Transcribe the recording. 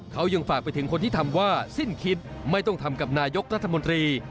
เขายังฝากไปถึงคนที่ทำว่าสิ้นคิดไม่ต้องทำกับนายกรัฐมนตรี